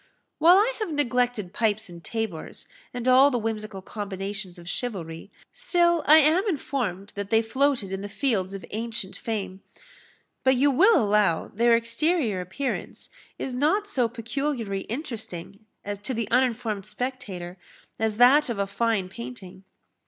"While I have neglected pipes and tabors, and all the whimsical combinations of chivalry, still I am informed that they floated in the fields of ancient fame. But you will allow their exterior appearance is not so peculiarly interesting to the uninformed spectator as that of a fine painting.